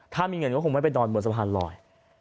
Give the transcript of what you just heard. ถ้ามีเงินก็คงไม่ไปนอนบนสะพานลอย